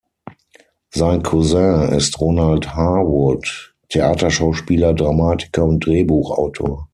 Sein Cousin ist Ronald Harwood, Theaterschauspieler, Dramatiker und Drehbuchautor.